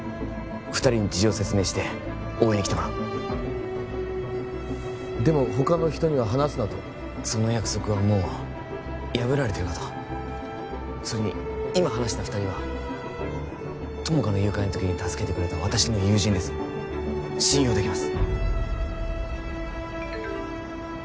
二人に事情説明して応援に来てもらおうでも他の人には話すなとその約束はもう破られているかとそれに今話した二人は友果の誘拐の時に助けてくれた私の友人です信用できます